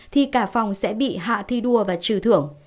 thì cả phòng sẽ bị hạ thi đua và trừ thưởng